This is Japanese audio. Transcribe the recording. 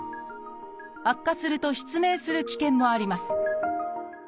悪化すると失明する危険もあります。